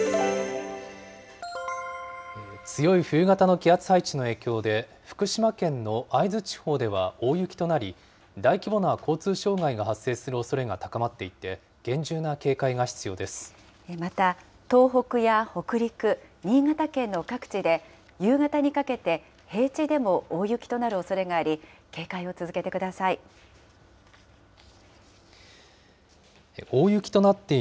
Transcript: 強い冬型の気圧配置の影響で、福島県の会津地方では大雪となり、大規模な交通障害が発生するおそれが高まっていて、また、東北や北陸、新潟県の各地で、夕方にかけて平地でも大雪となるおそれがあり、警戒を続けてください。